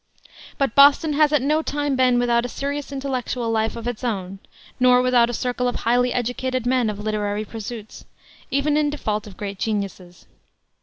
But Boston has at no time been without a serious intellectual life of its own, nor without a circle of highly educated men of literary pursuits, even in default of great geniuses.